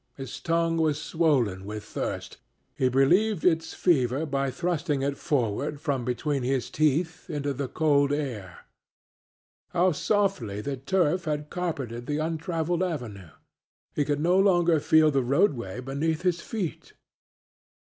His tongue was swollen with thirst; he relieved its fever by thrusting it forward from between his teeth into the cold air. How softly the turf had carpeted the untraveled avenue he could no longer feel the roadway beneath his feet!